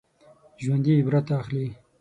ژوندي عبرت اخلي